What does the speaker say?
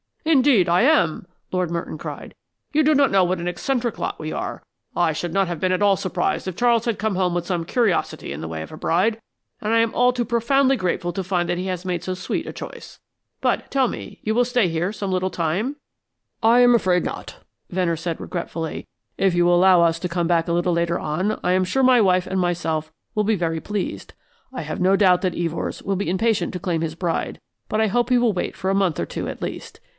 "Indeed, I am," Lord Merton cried. "You do not know what an eccentric lot we are. I should not have been at all surprised if Charles had come home with some curiosity in the way of a bride, and I am only too profoundly grateful to find that he has made so sweet a choice. But, tell me, you will stay here some little time " "I am afraid not," Venner, said regretfully. "If you will allow us to come back a little later on, I am sure that my wife and myself will be very pleased. I have no doubt that Evors will be impatient to claim his bride, but I hope he will wait for a month or two at least.